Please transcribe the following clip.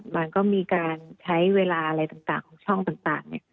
มันก็มีการใช้เวลาอะไรต่างของช่องต่างเนี่ย